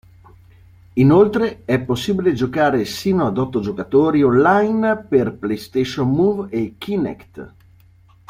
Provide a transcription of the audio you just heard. Inoltre è possibile giocare sino ad otto giocatori online per PlayStation Move e Kinect.